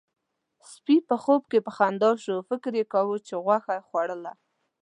سپي په خوب کې په خندا شو، فکر يې کاوه چې غوښه خوړله.